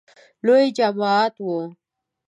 لوی جماعت و .